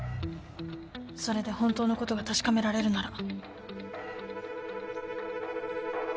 それで本当のことが確かめられるなら。